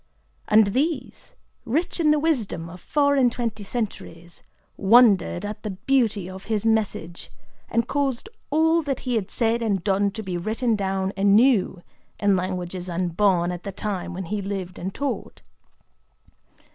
And these, rich in the wisdom of four and twenty centuries, wondered at the beauty of his message, and caused all that he had said and done to be written down anew in languages unborn at the time when he lived and taught.